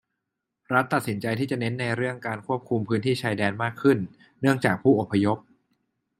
รัฐตัดสินใจที่จะเน้นในเรื่องการควบคุมพื้นที่ชายแดนมากขึ้นเนื่องจากผู้อพยพ